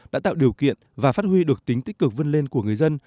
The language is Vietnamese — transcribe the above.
đã tạo điều kiện và phát huy được tính tích cực vươn lên của người dân